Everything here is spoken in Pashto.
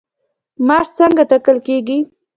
معاش څنګه ټاکل کیږي؟